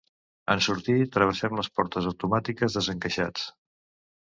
En sortir, travessem les portes automàtiques desencaixats.